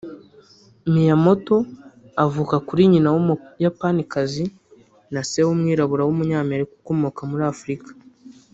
Miyamoto avuka kuri nyina w’Umuyapanikazi na se w’umwirabura w’Umunyamerika ukomoka muri Afurika